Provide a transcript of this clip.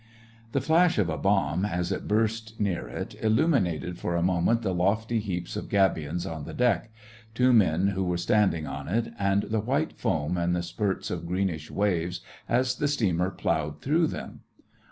The flash of a bomb, as it burst near it, illu minated for a moment the lofty heaps of gabions on the deck, two men who were standing on it, and the white foam and the spurts of greenish waves, as the steamer ploughed through them.